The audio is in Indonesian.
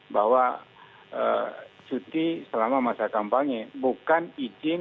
bahwa cuti selama masa kampanye bukan izin cuti untuk berkampanye